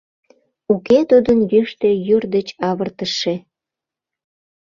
Уке тудын йӱштӧ йӱр деч авыртышше.